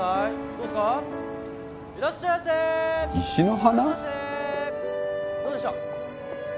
どうでしょ？